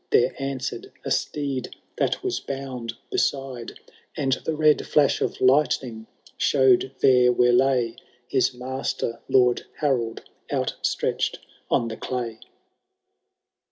There answered a steed that was bound beside, And the red flash of lightning show'd there where lay His master. Lord Harold, outstretch^ on the clay.